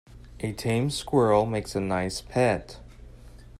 A tame squirrel makes a nice pet.